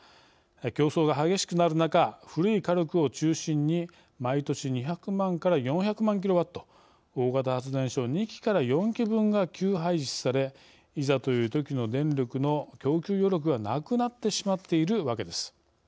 競争が激しくなる中古い火力を中心に毎年２００万４００万ｋｗ大型発電所２基から４基分が休廃止されいざというときの電力の供給余力がなくなってしまっているわけです。